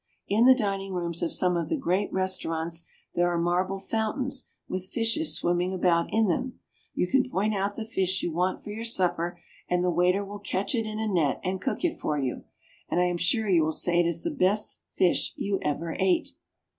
In the dining rooms of some of the great restaurants there are marble fountains with fishes swimming about in them. You can point out the fish you want for your supper, and the waiter will catch it in a net and cook it for you, and I am sure you will say it is the best fish you ever ate.